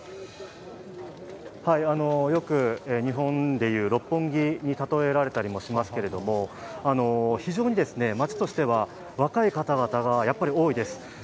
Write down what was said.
よく日本でいう六本木に例えられたりもしますけれども非常に街としては若い方々が多いです。